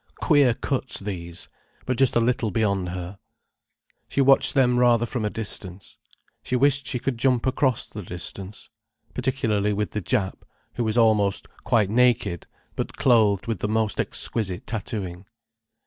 Queer cuts these!—but just a little bit beyond her. She watched them rather from a distance. She wished she could jump across the distance. Particularly with the Jap, who was almost quite naked, but clothed with the most exquisite tattooing.